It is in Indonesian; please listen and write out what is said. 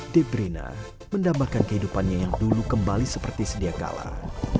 debrina mendambakan kehidupannya yang dulu kembali seperti sedia kalah